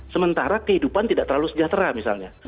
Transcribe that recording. sementara kehidupan tidak terlalu sejahtera misalnya